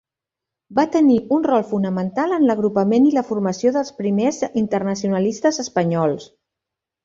Va tenir un rol fonamental en l'agrupament i la formació dels primers internacionalistes espanyols.